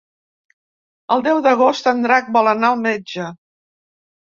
El deu d'agost en Drac vol anar al metge.